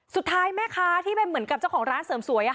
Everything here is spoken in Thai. สุดท้ายแม่ค้าที่เป็นเหมือนกับเจ้าของร้านเสริมสวย